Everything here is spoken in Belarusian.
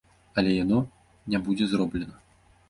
Але яно не будзе зроблена!!!